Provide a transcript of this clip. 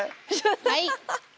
はい！